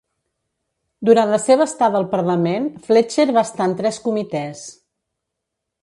Durant la seva estada al Parlament, Fletcher va estar en tres comitès.